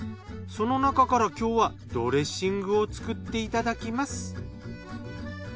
そのなかから今日はドレッシングを作っていただきます。